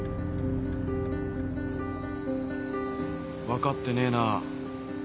分かってねえな。